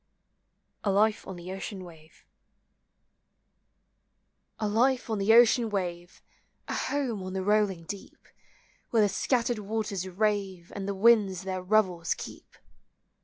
A LIFE ON THE OCEAN WAVE. A life on the ocean wave, A home on the rolling deep ; Where the scattered waters rave, And the winds their revels keep!